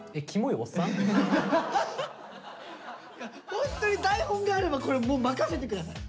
ホントに台本があればこれもう任せて下さい！